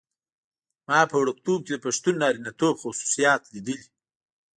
ما په وړکتوب کې د پښتون نارینتوب خصوصیات لیدلي.